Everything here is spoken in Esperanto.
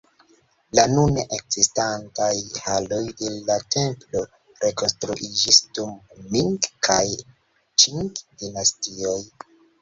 La nune ekzistantaj haloj de la templo rekonstruiĝis dum Ming- kaj Ĉing-dinastioj.